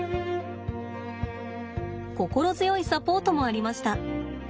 心強いサポートもありました。